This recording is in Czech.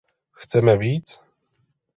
Chceme více?